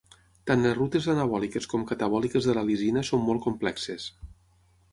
Tant les rutes anabòliques com catabòliques de la lisina són molt complexes.